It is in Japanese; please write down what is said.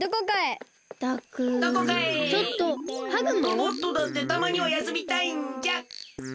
ロボットだってたまにはやすみたいんじゃ！